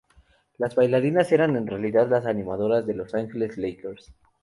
Las bailarinas eran en realidad las animadoras de Los Angeles Lakers.